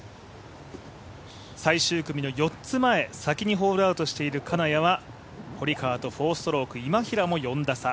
最終組の４つ前、先にホールアウトしている金谷は堀川と４ストローク、今平も４打差。